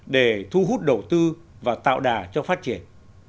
để thu hút đầu tư và tạo đà cho phát triển